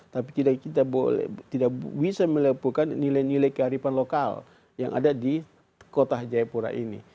tapi kita tidak bisa melakukan nilai nilai kearifan lokal yang ada di kota jayapura ini